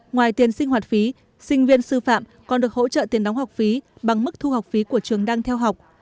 ngoài tiền sinh hoạt phí sinh viên sư phạm còn được hỗ trợ tiền đóng học phí bằng mức thu học phí của trường đang theo học